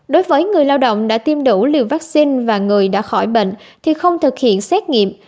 đối với người lao động đã tiêm đủ liều vaccine và người đã khỏi bệnh thì không thực hiện xét nghiệm